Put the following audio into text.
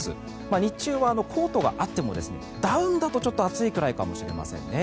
日中はコートがあってもダウンだとちょっと暑いくらいかもしれませんね。